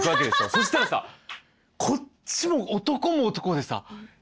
そしたらさこっちも男も男でさえって。